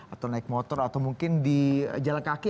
atau naik motor atau mungkin di jalan kaki